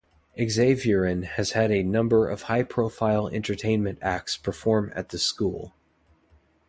Xaverian has had a number of high-profile entertainment acts perform at the school.